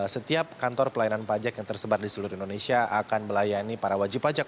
setiap kantor pelayanan pajak yang tersebar di seluruh indonesia akan melayani para wajib pajak